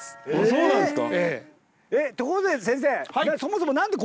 そうなんですか。